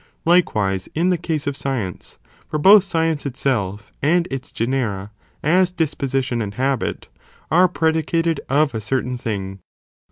Likewise in the case of science, for both science itself and its genera, as disposition and habit, are (pre dicated) of a certain thing.